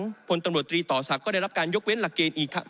ทศหลังโดยผลตำรวจตรีตอศักดิ์ก็ได้รับการยกเว้นรักเกณฑ์อีกครั้ง